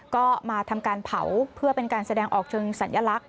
ก็มาทำการเผาเพื่อเป็นการแสดงออกเชิงสัญลักษณ